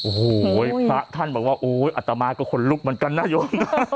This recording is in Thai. โอ้โหพระท่านบอกว่าโอ๊ยอัตมาก็ขนลุกเหมือนกันนโยม